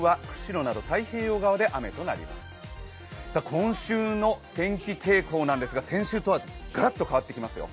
今週の天気傾向なんですが先週とはガラッと変わってきますよ。